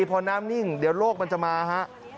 พอน้ำนิ่งเดี๋ยวโลกมันจะมาฮะ